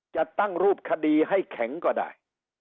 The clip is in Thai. จะตั้งรูปคดีให้แข็งก็ได้